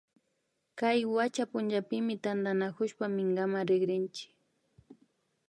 Kay wacha punchapimi tantanakushpa minkaman rikrinchi